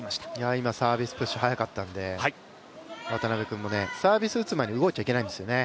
今、サービスプッシュ、速かったんで、渡辺君もね、サービス打つ前に動いちゃいけないんですよね